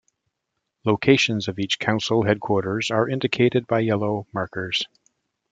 "Locations of each council headquarters are indicated by yellow markers".